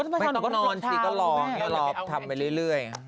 ไม่ต้องก็นอนสิก็รอทำไปเรื่อย